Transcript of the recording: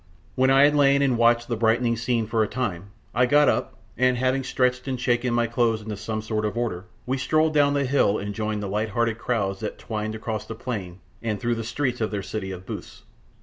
When I had lain and watched the brightening scene for a time, I got up, and having stretched and shaken my clothes into some sort of order, we strolled down the hill and joined the light hearted crowds that twined across the plain and through the streets of their city of booths.